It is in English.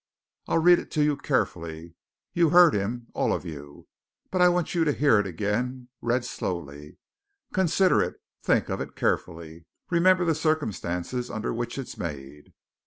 I'll read it to you carefully you heard him, all of you, but I want you to hear it again, read slowly. Consider it think of it carefully remember the circumstances under which it's made!"